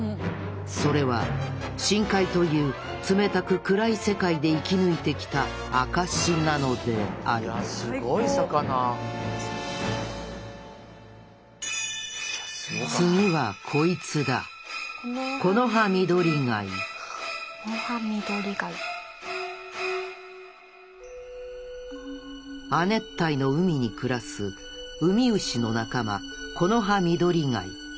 それは深海という冷たく暗い世界で生き抜いてきた証しなのである次はこいつだ亜熱帯の海に暮らすウミウシの仲間